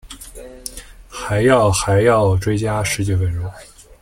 还要还要追加十几分钟